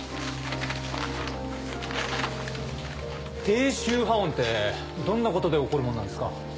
低周波音ってどんなことで起こるもんなんですか？